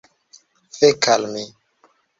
Fek' al mi